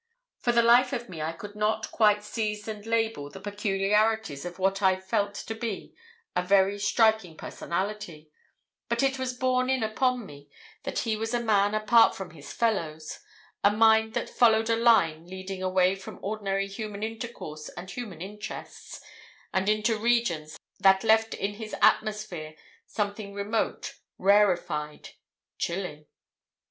For the life of me I could not quite seize and label the peculiarities of what I felt to be a very striking personality, but it was borne in upon me that he was a man apart from his fellows, a mind that followed a line leading away from ordinary human intercourse and human interests, and into regions that left in his atmosphere something remote, rarefied, chilling.